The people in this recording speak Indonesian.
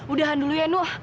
udahan dulu ya nuh